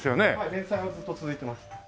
連載はずっと続いてます。